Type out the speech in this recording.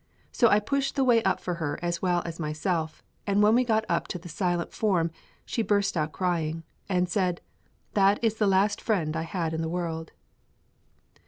So I pushed the way up for her as well as myself, and when we got up to the silent form she burst out crying, and said, "That is the last friend I had in the world."